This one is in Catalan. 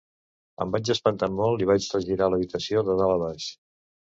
Em vaig espantar molt i vaig regirar l'habitació de dalt a baix.